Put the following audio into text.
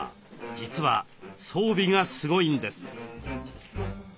実は装備がすごいんです。